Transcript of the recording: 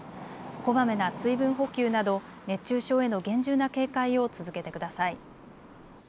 こまめな水分補給など熱中症への厳重な警戒を続けてください。